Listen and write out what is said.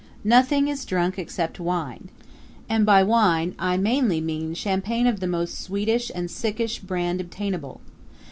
Nothing is drunk except wine and by wine I mainly mean champagne of the most sweetish and sickish brand obtainable.